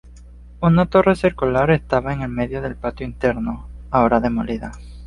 Una torre circular estaba en el medio del patio interno, ahora demolida.